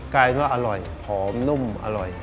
กลายเป็นว่าอร่อยหอมนุ่มอร่อย